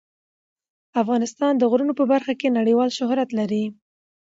افغانستان د غرونه په برخه کې نړیوال شهرت لري.